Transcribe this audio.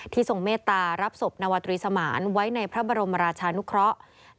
ทรงเมตตารับศพนวตรีสมานไว้ในพระบรมราชานุเคราะห์